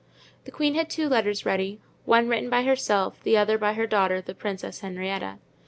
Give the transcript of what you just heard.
The queen had two letters ready, one written by herself, the other by her daughter, the Princess Henrietta.